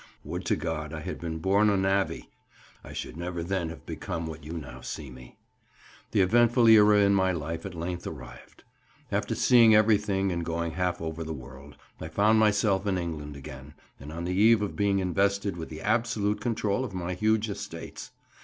Would to God I had been born a navvy; I should never then have become what you now see me. The eventful era in my life at length arrived. After seeing everything and going half over the world, I found myself in England again, and on the eve of being invested with the absolute control of my huge estates.